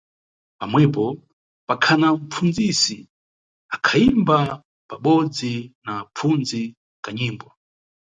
Pamwepo pakhana mʼpfundzisi akhayimba pabodzi na apfundzi kanyimbo.